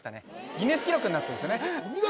ギネス記録になってるんですよねお見事！